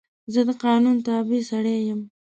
زه د قانون تابع سړی یم.